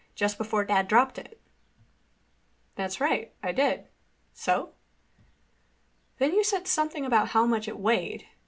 "Just before Dad dropped it." "That's right. I did. So?" "Then you said something about how much it weighed.